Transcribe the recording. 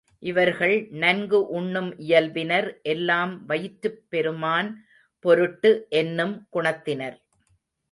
இவர்கள் நன்கு உண்ணும் இயல்பினர் எல்லாம் வயிற்றுப் பெருமான் பொருட்டு என்னும் குணத்தினர்.